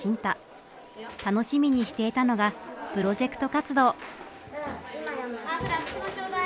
楽しみにしていたのがプロジェクト活動。